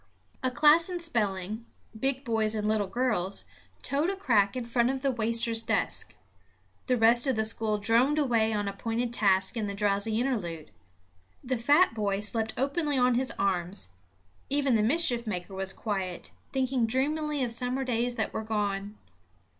A class in spelling, big boys and little girls, toed a crack in front of the waster's desk. The rest of the school droned away on appointed tasks in the drowsy interlude. The fat boy slept openly on his arms; even the mischief maker was quiet, thinking dreamily of summer days that were gone.